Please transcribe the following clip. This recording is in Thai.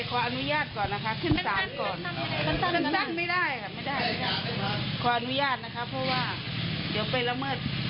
ว่าเขาให้ดูเสน่ห์